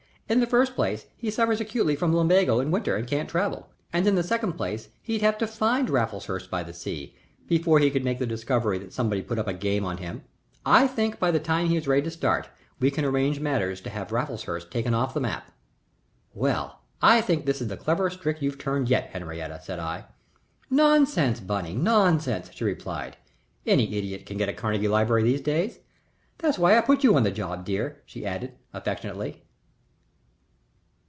"In the first place he suffers acutely from lumbago in winter and can't travel, and in the second place he'd have to find Raffleshurst by the Sea before he could make the discovery that somebody'd put up a game on him. I think by the time he is ready to start we can arrange matters to have Raffleshurst taken off the map." "Well, I think this is the cleverest trick you've turned yet, Henriette," said I. "Nonsense, Bunny, nonsense," she replied. "Any idiot can get a Carnegie library these days. That's why I put you on the job, dear," she added, affectionately.